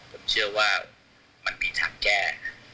ผมเชื่อว่ามันมีทางแก้